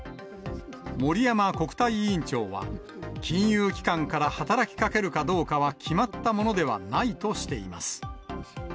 森山国対委員長は、金融機関から働きかけるかどうかは決まったものではないとしています。